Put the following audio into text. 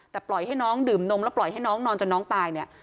แต่ปล่อยให้น้องดื่มนมแล้วปล่อยให้น้องนอนจนน้องตายเนี่ย